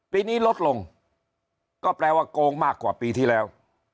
ปีนี้ลดลงก็แปลว่าโกงมากกว่าปีที่แล้ว